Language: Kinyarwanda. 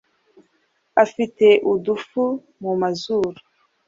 afite udufu mu mazuru